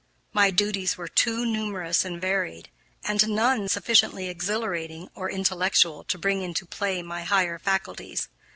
My duties were too numerous and varied, and none sufficiently exhilarating or intellectual to bring into play my higher faculties.